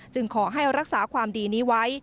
ขอให้รักษาความดีนี้ไว้